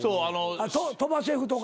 鳥羽シェフとか？